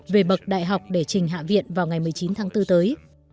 về bậc đại học để trình hạ viện vào ngày một mươi chín tháng bốn tới